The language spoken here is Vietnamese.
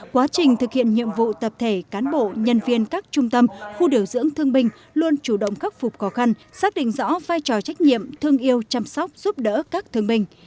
quá trình thực hiện nhiệm vụ tập thể cán bộ nhân viên các trung tâm khu điều dưỡng thương binh luôn chủ động khắc phục khó khăn xác định rõ vai trò trách nhiệm thương yêu chăm sóc giúp đỡ các thương binh